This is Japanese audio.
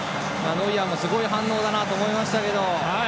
ノイアーもすごい反応だなと思いましたが。